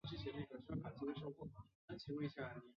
成化十七年辛丑科进士。